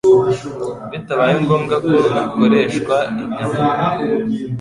bitabaye ngombwa ko hakoreshwa inyama.